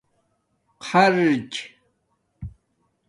خرچ